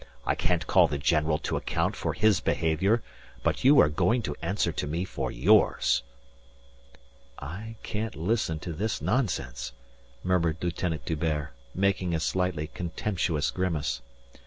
"I can't call the general to account for his behaviour, but you are going to answer to me for yours." "I can't listen to this nonsense," murmured Lieutenant D'Hubert, making a slightly contemptuous grimace.